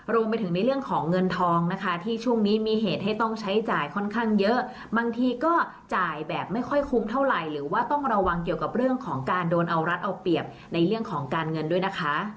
รวมไปถึงในเรื่องของเงินทองนะคะที่ช่วงนี้มีเหตุให้ต้องใช้จ่ายค่อนข้างเยอะบางทีก็จ่ายแบบไม่ค่อยคุ้มเท่าไหร่หรือว่าต้องระวังเกี่ยวกับเรื่องของการโดนเอารัดเอาเปรียบในเรื่องของการเงินด้วยนะคะ